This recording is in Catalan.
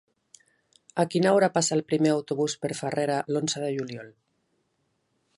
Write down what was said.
A quina hora passa el primer autobús per Farrera l'onze de juliol?